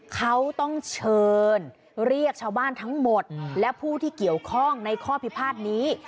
เขาต้องเชิญเรียกชาวบ้านทั้งหมดและผู้ที่เกี่ยวข้องในข้อพิพาทนี้